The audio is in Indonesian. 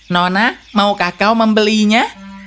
nona maukah kau membelinya